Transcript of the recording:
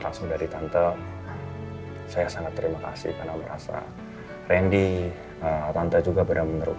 langsung dari tante saya sangat terima kasih karena merasa randy tante juga benar benar